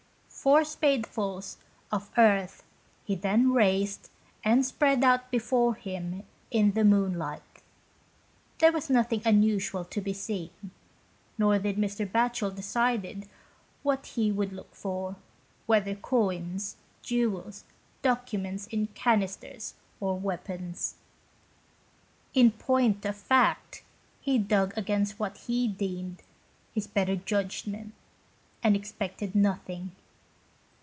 Four spadefuls of earth he then raised and spread out before him in the moonlight. There was nothing unusual to be seen. Nor did Mr. Batchel decide what he would look for, whether coins, jewels, documents in canisters, or weapons. In point of fact, he dug against what he deemed his better judgment, and expected nothing.